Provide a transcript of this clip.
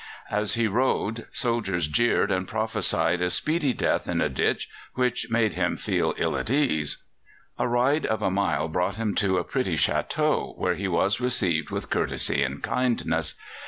As he rode soldiers jeered and prophesied a speedy death in a ditch, which made him feel ill at ease. A ride of a mile brought him to a pretty château, where he was received with courtesy and kindness.